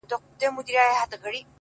ساقي وتاته مو په ټول وجود سلام دی پيره،